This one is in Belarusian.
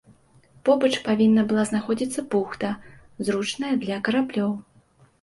Побач павінна была знаходзіцца бухта, зручная для караблёў.